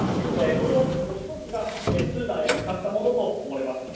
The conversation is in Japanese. この飛行機がスーダンへ向かったものと思われます。